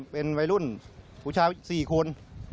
เป็นวัยรุ่นผู้ชาย๔คน